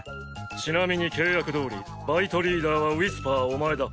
ちなみに契約どおりバイトリーダーはウィスパーお前だ。